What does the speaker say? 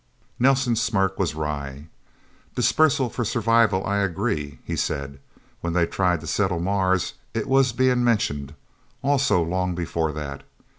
Nelsen's smirk was wry. "Dispersal for survival. I agree," he said. "When they tried to settle Mars, it was being mentioned. Also, long before that.